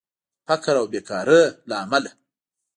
فقر او بیکارې له امله